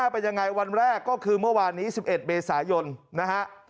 เป็นยังไงวันแรกก็คือเมื่อวานนี้๑๑เมษายนนะฮะ